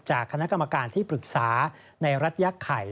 จากคณะกรรมการที่ปรึกษาในรัฐยาข่าย